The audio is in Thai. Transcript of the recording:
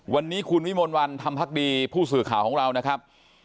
วันนี้คุณวิมลวันธรรมพักดีผู้สื่อข่าวของเรานะครับ